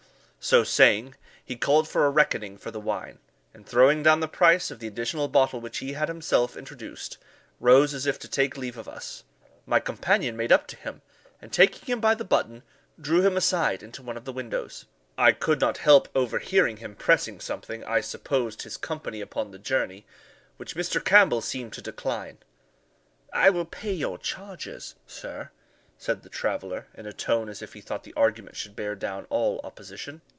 So saying, he called for a reckoning for the wine, and throwing down the price of the additional bottle which he had himself introduced, rose as if to take leave of us. My companion made up to him, and taking him by the button, drew him aside into one of the windows. I could not help overhearing him pressing something I supposed his company upon the journey, which Mr. Campbell seemed to decline. "I will pay your charges, sir," said the traveller, in a tone as if he thought the argument should bear down all opposition.